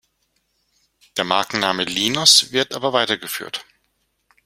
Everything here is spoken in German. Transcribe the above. Der Markenname Linos wird aber weitergeführt.